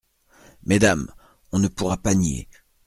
Mesdames… on ne pourra pas nier.